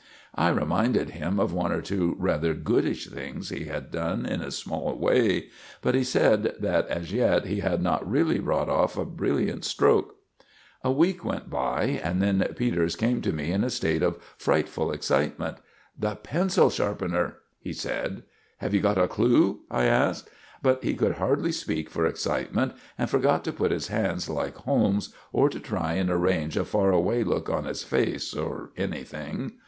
I reminded him of one or two rather goodish things he had done in a small way, but he said that as yet he had not really brought off a brilliant stroke. A week went by, and then Peters came to me in a state of frightful excitement. "The pencil sharpener!" he said. "Have you got a clue?" I asked. But he could hardly speak for excitement, and forgot to put his hands like Holmes, or to try and arrange a 'far away' look on his face, or anything.